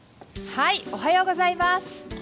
おはようございます。